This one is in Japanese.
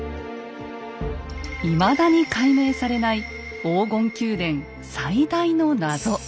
いまだに解明されない黄金宮殿最大の謎。